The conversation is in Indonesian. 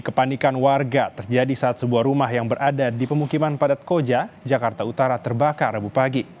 kepanikan warga terjadi saat sebuah rumah yang berada di pemukiman padat koja jakarta utara terbakar abu pagi